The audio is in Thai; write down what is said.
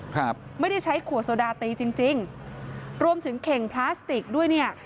ครับไม่ได้ใช้ขวดโซดาตีจริงจริงรวมถึงเข่งพลาสติกด้วยเนี่ย